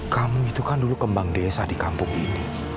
kamu itu kan dulu kembang desa di kampung ini